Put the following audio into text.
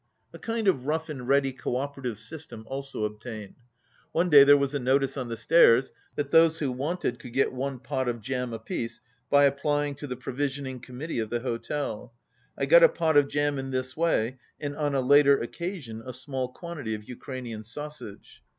A kind of rough and ready co operative system also obtained. One day there was a notice on the stairs that those who wanted could get one pot of jam apiece by applying to the provisioning com mittee of the hotel. I got a pot of jam in this way, and on a later occasion a small quantity of Ukrainian sausage.